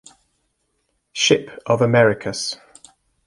Shipp of Americus.